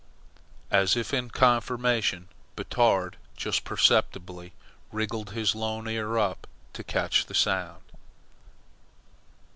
As if in confirmation, Batard just perceptibly wriggled his lone ear up to catch the sound.